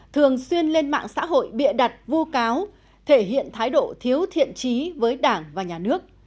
thường xuyên lên mạng xã hội bịa đặt vu cáo thể hiện thái độ thiếu thiện trí với đảng và nhà nước